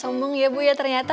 boy gak sombong ya bu ya ternyata